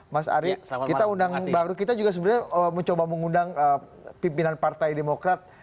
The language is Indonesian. mas ari kita undang baru kita juga sebenarnya mencoba mengundang pimpinan partai demokrat